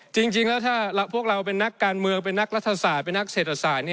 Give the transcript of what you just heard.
จริงแล้วถ้าพวกเราเป็นนักการเมืองเป็นนักรัฐศาสตร์เป็นนักเศรษฐศาสตร์